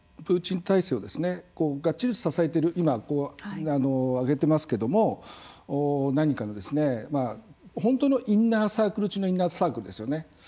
プーチン体制をがっちりと支えている今こう挙げてますけども本当のインナーサークル中のインナーサークルですよね。